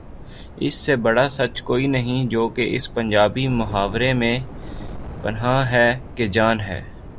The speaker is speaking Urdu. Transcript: اس سے بڑا سچ کوئی نہیں جو کہ اس پنجابی محاورے میں پنہاں ہے کہ جان ہے۔